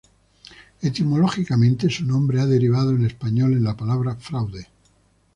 Etimológicamente, su nombre ha derivado en español en la palabra fraude.